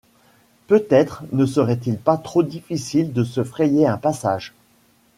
Peut-être ne serait-il pas trop difficile de se frayer un passage.